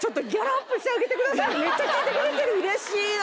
めっちゃ聞いてくれてる嬉しいな！